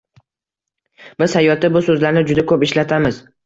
Biz hayotda bu so`zlarni juda ko`p ishlatamiz